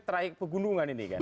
traik pegunungan ini kan